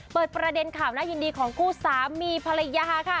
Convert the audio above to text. เปิดประเด็นข่าวน่ายินดีของคู่สามีภรรยาค่ะ